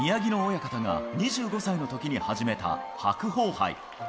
親方が２５歳のときに始めた白鵬杯。